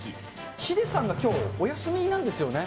ヒデさんがきょう、お休みなんですよね。